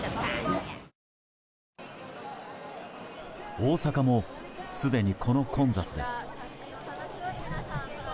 大阪もすでにこの混雑です。